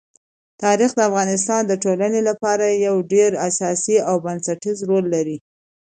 تاریخ د افغانستان د ټولنې لپاره یو ډېر اساسي او بنسټيز رول لري.